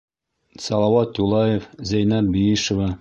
— Салауат Юлаев, Зәйнәб Биишева!